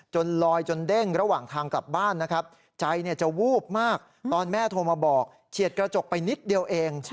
ลอยจนเด้งระหว่างทางกลับบ้านนะครับใจจะวูบมากตอนแม่โทรมาบอกเฉียดกระจกไปนิดเดียวเอง